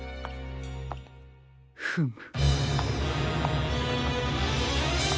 フム。